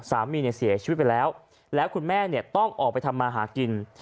สามีเสียชีวิตไปแล้วแล้วคุณแม่ต้องออกไปทำมาหากิน